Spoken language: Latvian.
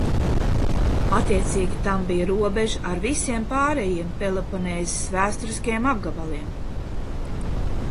Attiecīgi tam bija robeža ar visiem pārējiem Peloponēsas vēsturiskajiem apgabaliem.